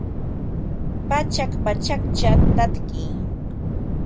Pachak pachakcha tatki